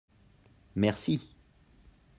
Merci